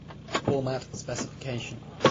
Format specification